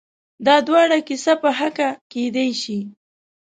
دا دواړه کسه په حقه کېدای شي؟